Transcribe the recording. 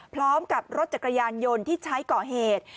พร้อมกับรถจักรยานยนต์ที่ใช้ก่อเหตุ